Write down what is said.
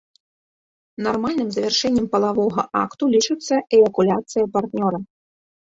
Нармальным завяршэннем палавога акту лічыцца эякуляцыя партнёра.